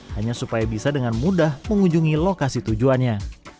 hanya supaya bisa dengan mudah mengunjungi lokasi tujuannya